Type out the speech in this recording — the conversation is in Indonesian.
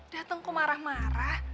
datang kok marah marah